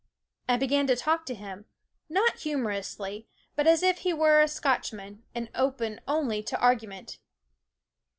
I began to talk to him, not humorously, but as if he were a Scotchman and open only to argu ment.